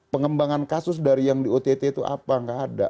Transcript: pengembangan kasus dari yang diotet itu apa nggak ada